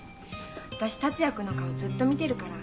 私達也君の顔ずっと見てるから。